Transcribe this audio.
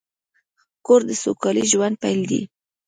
کور د سوکاله ژوند پیل دی.